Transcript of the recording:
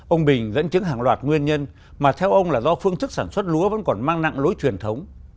ông bình dẫn chứng hàng loạt nguyên nhân mà theo ông là do phương thức sản xuất lúa vẫn còn mang nặng lối truyền thống